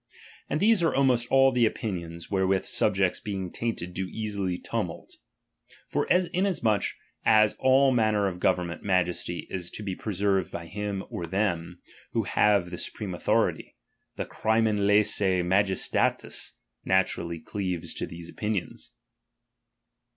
And these are almost all the opinions, wherewith subjects being tainted do easily tumult. And forasmuch as in all manner of government majesty is to be preserved by him or them, who have the supreme authority ; the crimen Itssce ma Jestatis naturally cleaves to these opinions.